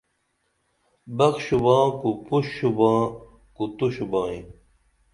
بخ شُوباں کُو پُش شُوباں کُو تو شُوبائی